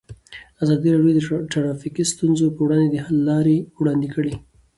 ازادي راډیو د ټرافیکي ستونزې پر وړاندې د حل لارې وړاندې کړي.